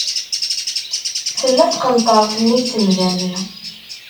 Tella tqenṭert nnig temda-nni.